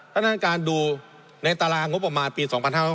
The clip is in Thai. ท่านการดูในตารางงบประมาณปี๒๕๖๐